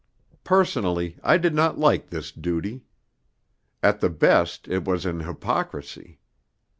Personally I did not like this duty. At the best it was an hypocrisy.